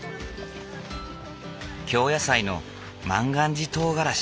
京野菜の万願寺とうがらし。